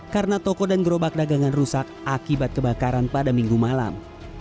karena toko dan gerobak dagangan rusak akibat kebakaran pada minggu malam